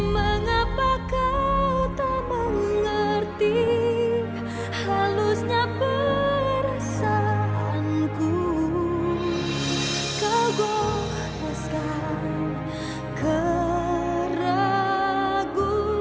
mama buka jendela dulu ya biar gak gerah